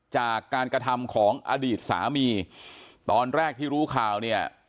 จากการกระทำของอดีตสามีตอนแรกที่รู้ข่าวเนี่ย